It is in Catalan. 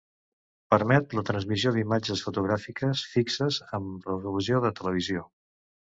Permet la transmissió d'imatges fotogràfiques fixes amb resolució de televisió.